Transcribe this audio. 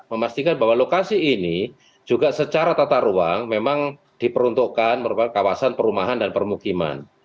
memastikan bahwa lokasi ini juga secara tata ruang memang diperuntukkan merupakan kawasan perumahan dan permukiman